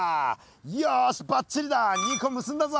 よしばっちりだ２個結んだぞ。